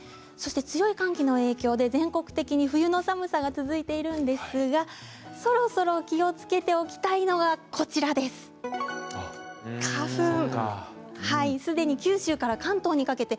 そして強い寒気の影響で全国的に冬の寒さが続いているんですがそろそろ気をつけておきたいのがこちらです、花粉。